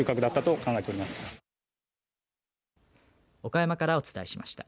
岡山からお伝えしました。